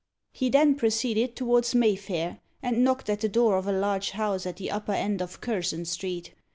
He then proceeded towards May Fair, and knocked at the door of a large house at the upper end of Curzon Street.